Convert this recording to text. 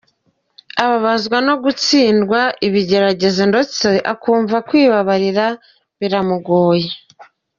Ababazwa no gutsindwa ibigeragezo ndetse akumva kwibabarira biramugoye.